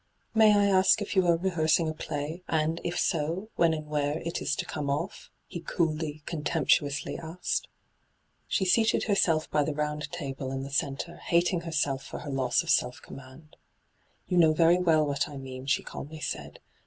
' May I ask if you are rehearsing a play, and, if so, when and where it is to come off?' he coolly, contemptuoimly asked. hyGoogIc ENTRAPPED 151 She seated herself by the round table in the centre, hating herself for her loss of self commaDd. ' You know very well what I mean,' she calmly said.